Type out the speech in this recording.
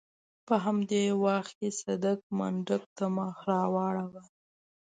په همدې وخت کې صدک منډک ته مخ واړاوه.